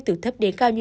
từ thấp đến cao nhỏ